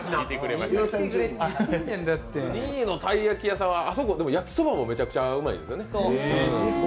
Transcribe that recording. ２位のたい焼き屋さんは焼きそばもめちゃくちゃうまいよね。